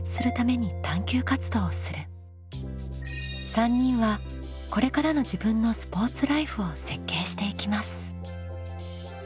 ３人はこれからの自分のスポーツライフを設計していきます。